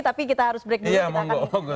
tapi kita harus break dulu